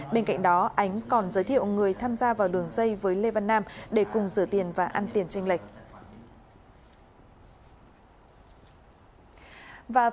bên cạnh đó ánh còn giới thiệu người tham gia vào đường dây với lê văn nam để cùng rửa tiền và ăn tiền tranh lệch